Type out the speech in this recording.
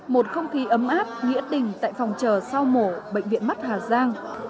một không khí ấm áp nghĩa tình tại phòng chờ sau mổ bệnh viện mắt hà giang